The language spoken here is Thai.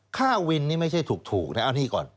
ค่าวินนี่ไม่ใช่ถูกนะเอานี่ก่อน